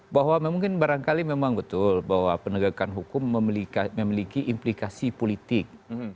bahwa mungkin barangkali memang betul bahwa penegakan hukum memiliki implikasi politik